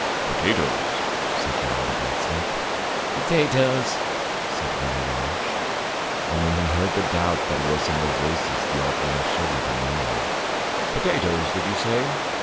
"Potatoes," said Yon the blacksmith. "Potatoes," said Willie Losh. And when he heard the doubt that was in their voices the old man shivered and moaned. "Potatoes, did you say?"